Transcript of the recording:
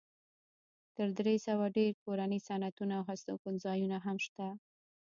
تر درې سوه ډېر کورني صنعتونه او هستوګنځایونه هم شته.